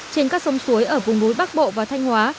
trên các sông suối ở vùng núi bắc bộ và thanh hóa